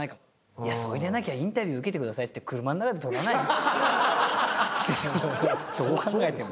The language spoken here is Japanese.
いやそれでなきゃインタビュー受けて下さいってどう考えても。